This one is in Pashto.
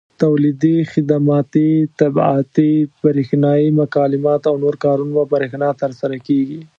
تولیدي، خدماتي، طباعتي، برېښنایي مکالمات او نور کارونه په برېښنا ترسره کېږي.